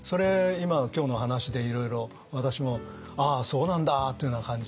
今今日の話でいろいろ私もああそうなんだというような感じで。